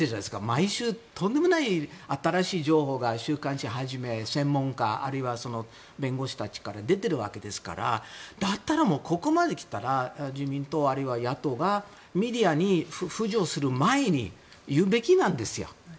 毎週とんでもない新しい情報が週刊誌はじめ専門家、あるいは弁護士たちから出ているわけですからだったら、ここまで来たら自民党あるいは野党がメディアに浮上する前に言うべきなんですよ。